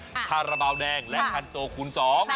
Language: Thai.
ส่งฟ้าระเบาแดงและคันโซคูณ๒